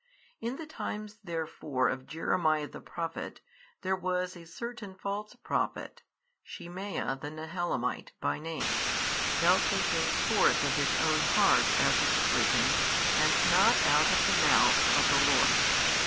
In the times therefore of Jeremiah the prophet, there was a certain false prophet, Shemaiah the Nehelamite 25 by name, belching things forth of his own heart as it is written and not out of the Mouth of the Lord.